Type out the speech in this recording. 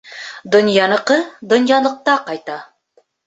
Донъяныҡы донъялыҡта ҡайта.